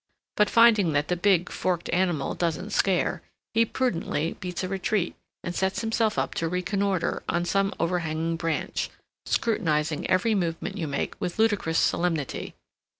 But, finding that the big, forked animal doesn't scare, he prudently beats a retreat, and sets himself up to reconnoiter on some overhanging branch, scrutinizing every movement you make with ludicrous solemnity.